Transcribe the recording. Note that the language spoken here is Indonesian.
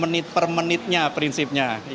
menit per menitnya prinsipnya